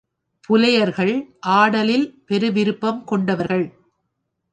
புலையர்கள் ஆடலில் பெருவிருப்பம் கொண்டவர்கள்.